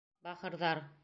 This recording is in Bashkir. Бахырҙар!